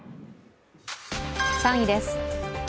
３位です。